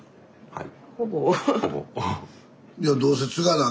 はい。